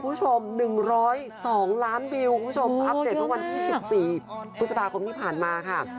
คุณผู้ชม๑๐๒ล้านวิวคุณผู้ชมอัปเดตเมื่อวันที่๑๔พฤษภาคมที่ผ่านมาค่ะ